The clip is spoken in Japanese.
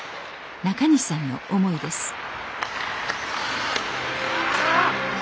中西さんの思いです